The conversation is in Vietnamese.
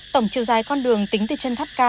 tổng chiều dài con đường tính từ chân tháp ca